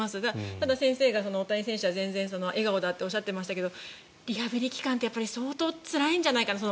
ただ、先生が大谷選手は全然笑顔だっておっしゃっていましたけどリハビリ期間って相当つらいんじゃないかって。